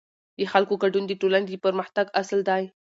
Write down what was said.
د خلکو ګډون د ټولنې د پرمختګ اصل دی